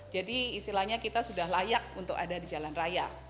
jadi istilahnya kita sudah layak untuk ada di jalan raya